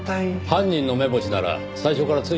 犯人の目星なら最初からついています。